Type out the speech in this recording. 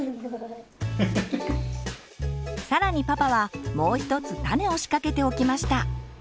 更にパパはもう一つタネを仕掛けておきました。